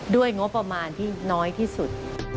ด้วยงบประมาณที่น้อยที่สุด